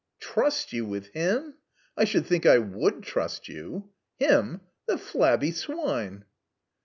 "Trust you with him? I should think I would trust you. Him! The flabby swine!"